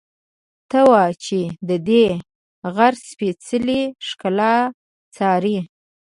ته وا چې ددې غره سپېڅلې ښکلا څاري.